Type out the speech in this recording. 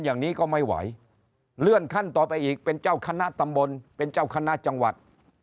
อย่างนี้ก็ไม่ไหวเลื่อนขั้นต่อไปอีกเป็นเจ้าคณะตำบลเป็นเจ้าคณะจังหวัด